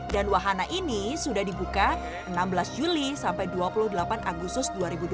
dan wahana ini sudah dibuka enam belas juli sampai dua puluh delapan agustus dua ribu dua puluh dua